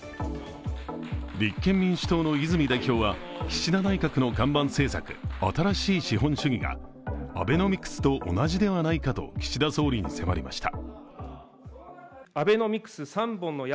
立憲民主党の泉代表は岸田内閣の看板政策、新しい資本主義がアベノミクスと同じではないかと岸田総理に迫りました。